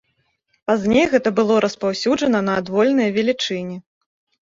Пазней гэта было распаўсюджана на адвольныя велічыні.